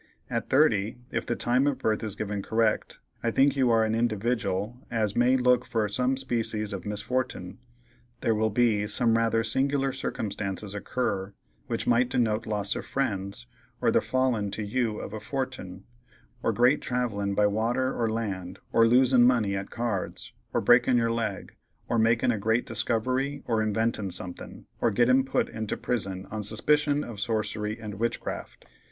At 30, if the time of birth is given correct, I think you are an individdyal as may look for some species of misfortin—there will be some rather singular circumstances occur, which might denote loss of friends, or the fallin' to you of a fortin, or great travellin' by water or land, or losin' money at cards, or breakin' your leg, or makin' a great discovery, or inventin' somethin', or gettin' put into prison on suspicion of sorcery and witchcraft.